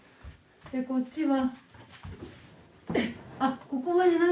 こっちは。